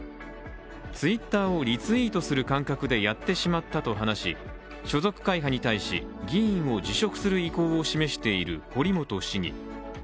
Ｔｗｉｔｔｅｒをリツイートする感覚でやってしまったと話し、所属会派に対し議員を辞職する意向を示している堀本市議。